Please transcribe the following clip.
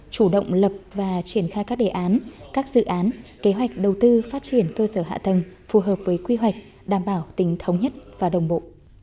chủ động lập và triển khai các đề án các dự án kế hoạch đầu tư phát triển cơ sở hạ tầng phù hợp với quy hoạch đảm bảo tính thống nhất và đồng bộ